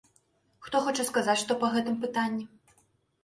Хто хоча сказаць што па гэтым пытанні?